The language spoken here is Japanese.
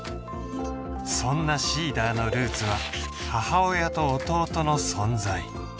そんなＳｅｅｄｅｒのルーツは母親と弟の存在